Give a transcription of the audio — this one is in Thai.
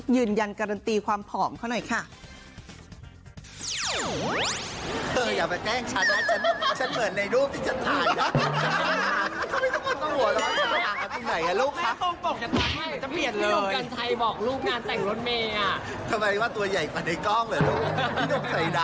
ยืนยันการันตีความผอมเขาหน่อยค่ะ